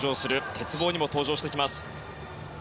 鉄棒にも登場してきます。